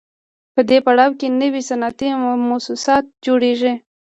په دې پړاو کې نوي صنعتي موسسات جوړېږي